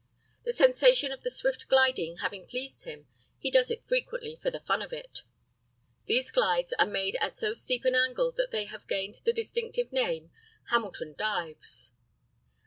The sensation of the swift gliding having pleased him, he does it frequently "for the fun of it." These glides are made at so steep an angle that they have gained the distinctive name, "Hamilton dives."